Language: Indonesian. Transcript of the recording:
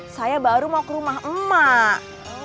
saya baru mau ke rumah emak emak